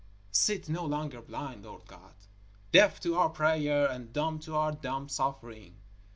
_ Sit no longer blind, Lord God, deaf to our prayer and dumb to our dumb suffering.